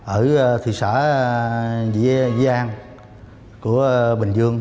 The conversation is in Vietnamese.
ở thị xã giê giang của bình dương